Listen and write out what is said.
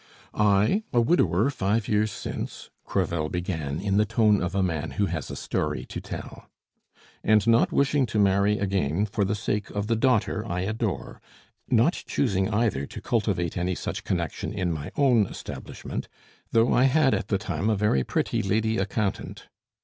"I, a widower five years since," Crevel began, in the tone of a man who has a story to tell, "and not wishing to marry again for the sake of the daughter I adore, not choosing either to cultivate any such connection in my own establishment, though I had at the time a very pretty lady accountant.